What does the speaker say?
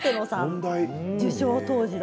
受賞当時の。